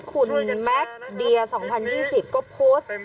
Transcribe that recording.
คุณแม็กซ์เดีย๒๐๒๐ก็โพสต์